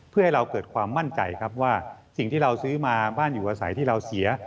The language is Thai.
เพื่อให้เราเกิดความมั่นใจครับว่าสิ่งที่เราซื้อมาบ้านอยู่อาศัยที่เราเสีย